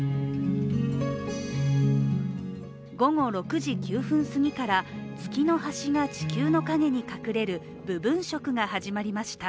午後６時９分すぎから月の端が月の影に隠れる部分食が始まりました。